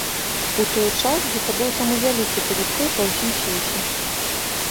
У той час гэта быў самы вялікі тэлескоп ва ўсім свеце.